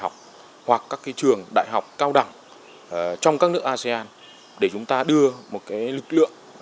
các trường đại học cao đẳng trong các nước asean để chúng ta đưa một lực lượng